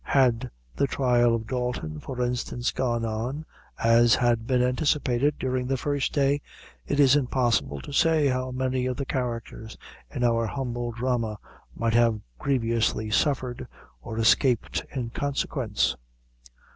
Had the trial of Dalton, for instance, gone on, as had been anticipated, during the first day, it is impossible to say how many of the characters in our humble drama might have grievously suffered or escaped in consequence.